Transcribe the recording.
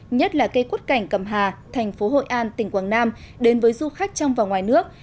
nhất là cây quất cảnh cẩm hà thành phố hội an tỉnh quảng nam đến với du khách trong và ngoài nước